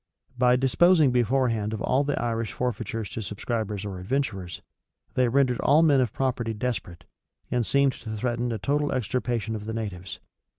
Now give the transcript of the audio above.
By disposing beforehand of all the Irish forfeitures to subscribers or adventurers, they rendered all men of property desperate, and seemed to threaten a total extirpation of the natives.